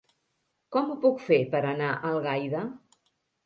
Com ho puc fer per anar a Algaida?